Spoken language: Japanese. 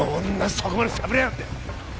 そこまで喋りやがって！